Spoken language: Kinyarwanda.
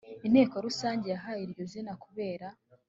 inteko rusange yahaye iryo zina kubera